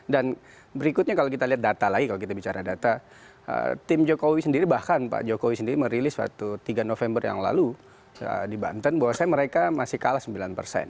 dan berikutnya kalau kita lihat data lagi kalau kita bicara data tim jokowi sendiri bahkan pak jokowi sendiri merilis waktu tiga november yang lalu di banten bahwasanya mereka masih kalah sembilan persen